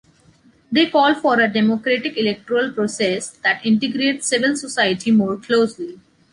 They call for a democratic electoral process that integrates civil society more closely.